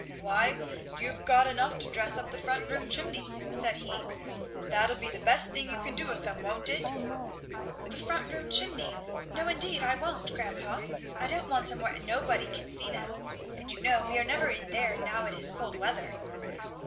"Why you've got enough to dress up the front room chimney," said he. "That'll be the best thing you can do with 'em, won't it?" "The front room chimney! No, indeed I won't, grandpa. I don't want 'em where nobody can see them, and you know we are never in there now it is cold weather."